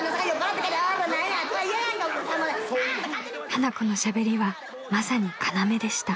［花子のしゃべりはまさに要でした］